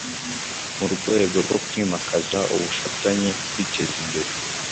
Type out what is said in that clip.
Mu rwego rwo kwimakaza ubufatanye, kwiteza imbere,